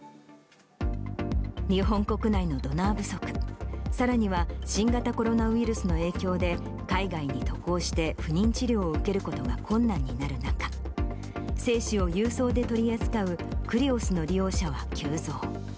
日本国内のドナー不足、さらには、新型コロナウイルスの影響で、海外に渡航して不妊治療を受けることが困難になる中、精子を郵送で取り扱うクリオスの利用者は急増。